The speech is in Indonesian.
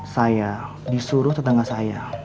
saya disuruh tetangga saya